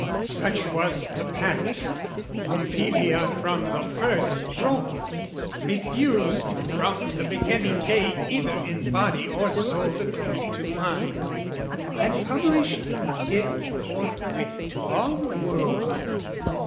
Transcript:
Such was the pact: Pompilia from the first Broke it, refused from the beginning day Either in body or soul to cleave to mine, And published it forthwith to all the world.